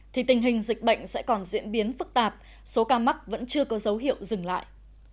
thì tình hình dịch bệnh sẽ còn diễn biến phức tạp số ca mắc vẫn chưa có dấu hiệu dừng lại